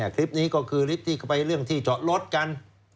คลิปนี้ก็คือคลิปที่ไปเรื่องที่จอดรถกัน